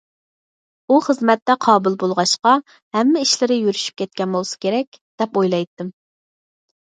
ئۇ خىزمەتتە قابىل بولغاچقا، ھەممە ئىشلىرى يۈرۈشۈپ كەتكەن بولسا كېرەك، دەپ ئويلايتتىم.